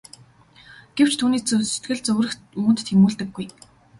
Гэвч түүний сэтгэл зүрх үүнд тэмүүлдэггүй.